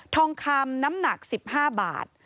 ทองคำน้ำหนัก๑๕บาท